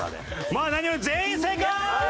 まあ何より全員正解！